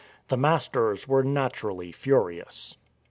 The masters were naturally furious.